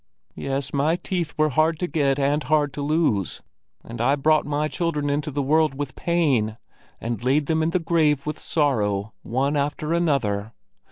"Yes, my teeth were hard to get and hard to lose, and I brought my children into the world with pain, and laid them in the grave with sorrow, one after another.